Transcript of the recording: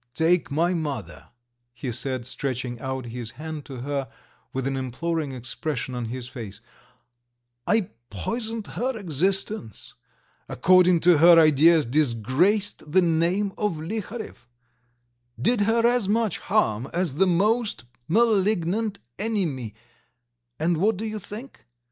"Take my mother," he said, stretching out his hand to her with an imploring expression on his face, "I poisoned her existence, according to her ideas disgraced the name of Liharev, did her as much harm as the most malignant enemy, and what do you think?